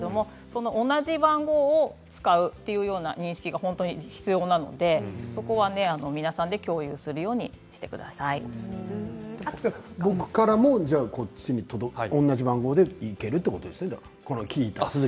同じ番号を使うというような認識が本当に必要なのでそこは皆さんで僕からも同じ番号で聞けるんですね。